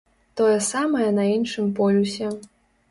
Тое самае на іншым полюсе.